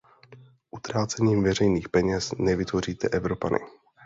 Utrácením veřejných peněz nevytvoříte Evropany.